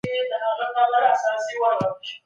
سوداګرو به خپل سرمایوي اجناس پلورلي وي.